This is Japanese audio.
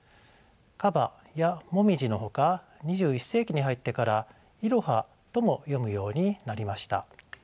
「かば」や「もみじ」のほか２１世紀に入ってから「いろは」とも読むようになりました。